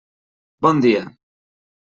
Bon dia.